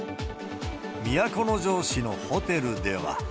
都城市のホテルでは。